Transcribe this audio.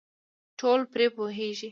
ټول پرې پوهېږي .